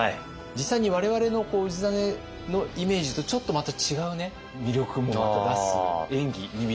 実際に我々の氏真のイメージとちょっとまた違う魅力もまた出す演技に見えるんですけれども。